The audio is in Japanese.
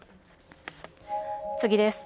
次です。